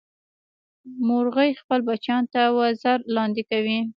مورغۍ خپل بچیان تر وزر لاندې کوي